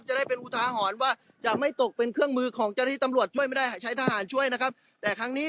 ชาวบ้านเขาก็สงสัยกันนะคุณว่านี่ตำรวจแสดงตัวข้อหาแบบนี้